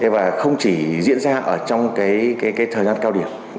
và không chỉ diễn ra ở trong thời gian cao điểm